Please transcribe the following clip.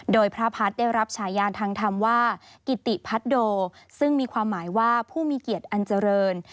โดยพระพัฒน์ได้รับฉายานทางธรรมว่ากิติพัฒโดซึ่งมีความหมายว่าผู้มีเกียรติอันเจริญ